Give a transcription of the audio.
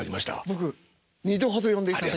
僕２度ほど呼んでいただいて。